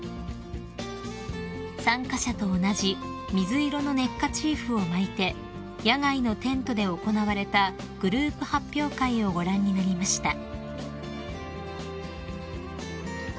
［参加者と同じ水色のネッカチーフを巻いて野外のテントで行われたグループ発表会をご覧になりました］